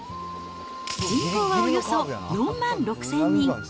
人口はおよそ４万６０００人。